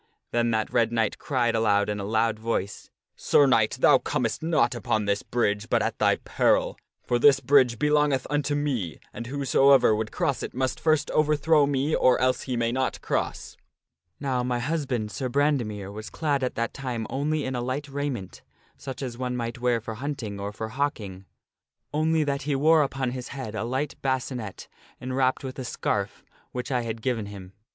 Then that Red Knight cried out in a loud voice, ' Sir Knight, thou comest not upon this bridge but at thy peril ; for this bridge belongeth unto me, and whosoever would cross it must first overthrow me or else he may not cross.' " Now, my husband, Sir Brandemere, was clad at that time only in a light raiment such as one might wear for hunting or for hawking ; only that he wore upon his head a light bascinet enwrapped with a scarf which I had given him.